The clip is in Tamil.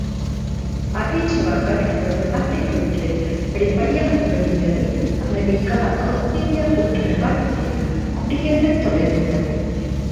ஐரிஷ் மக்கள் தமது நாட்டைவிட்டுப் படிப்படியாக வெறியேறி அமெரிக்கா, ஆஸ்திரேலியா போன்ற நாடுகளில் குடியேறத் தொடங்கினர்.